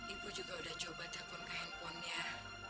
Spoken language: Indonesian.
ibu juga udah coba telepon ke handphonenya